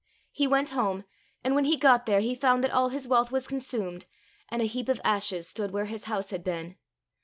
He went home, and when he got there he found that all his wealth was consumed, and a heap of ashes stood where his house had been.